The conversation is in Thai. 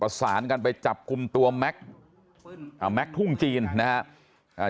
ประสานกันไปจับกุมตัวแม็กซ์แม็กซ์ทุ่งจีนนะครับ